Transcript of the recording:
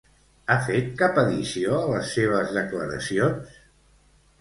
Ha fet cap addició a les seves declaracions?